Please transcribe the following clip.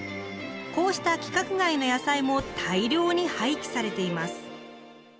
こうした規格外の野菜も大量に廃棄されています。